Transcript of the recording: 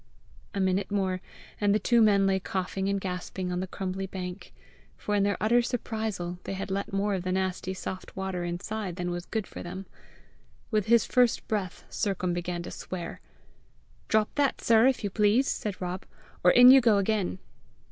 A minute more, and the two men lay coughing and gasping on the crumbly bank, for in their utter surprizal they had let more of the nasty soft water inside than was good for them. With his first breath Sercombe began to swear. "Drop that, sir, if you please," said Rob, "or in you go again!"